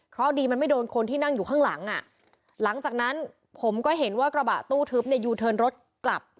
เพราะดีมันไม่โดนคนที่นั่งอยู่ข้างหลังอ่ะหลังจากนั้นผมก็เห็นว่ากระบะตู้ทึบเนี่ยยูเทิร์นรถกลับ